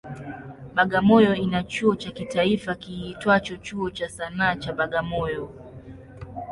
Bagamoyo ina chuo cha kitaifa kiitwacho Chuo cha Sanaa cha Bagamoyo.